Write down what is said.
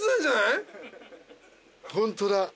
ホントだ。